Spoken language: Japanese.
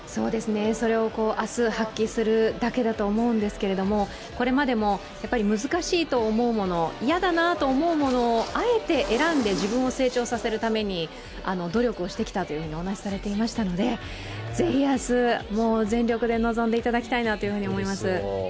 それを明日発揮するだけだと思うんですけれども、これまでも難しいと思うもの嫌だなと思うものをあえて選んで自分を成長させるために努力をしてきたとお話しされていましたのでぜひ明日、全力で臨んでいただきたいなと思います。